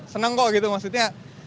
senang kok gitu maksudnya